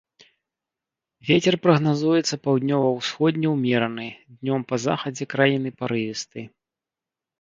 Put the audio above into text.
Вецер прагназуецца паўднёва-ўсходні ўмераны, днём па захадзе краіны парывісты.